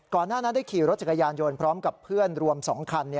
หน้านั้นได้ขี่รถจักรยานยนต์พร้อมกับเพื่อนรวม๒คัน